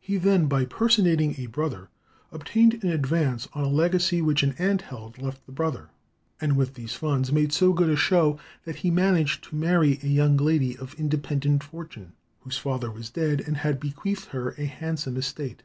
He then, by personating a brother, obtained an advance on a legacy which an aunt had left the brother, and with these funds made so good a show that he managed to marry a young lady of independent fortune, whose father was dead and had bequeathed her a handsome estate.